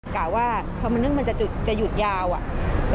กล่าวว่าเขามันนึกมันจะหยุดจะหยุดยาวอ่ะ